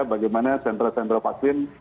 bagaimana sentra sentra vaksin